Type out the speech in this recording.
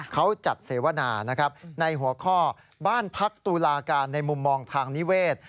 เขาจัดเสวนานะครับในหัวข้อบ้านพักตุลาการในมุมมองทางนิเวศ